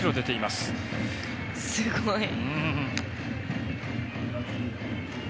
すごい。